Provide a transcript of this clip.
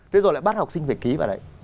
thế rồi lại bắt học sinh về ký vào đấy